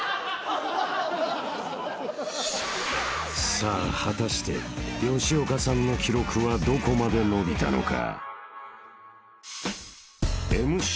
［さあ果たして吉岡さんの記録はどこまで伸びたのか？］